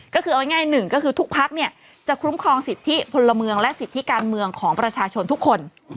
ก็คือเอาง่ายหนึ่งก็คือทุกพักเนี่ยจะคุ้มครองสิทธิพลเมืองและสิทธิการเมืองของประชาชนทุกคน